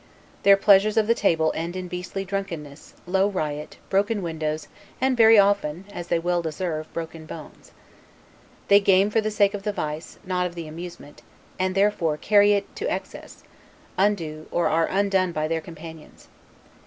Their pleasures of the table end in beastly drunkenness, low riot, broken windows, and very often (as they well deserve), broken bones. They game for the sake of the vice, not of the amusement; and therefore carry it to excess; undo, or are undone by their companions.